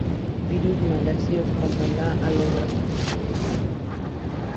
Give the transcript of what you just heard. Virus malicioso como la Alondra.